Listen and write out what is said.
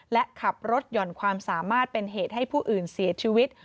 และขับรถหย่อนความสามารถเป็นเหตุให้ผู้อื่นเสียชีวิต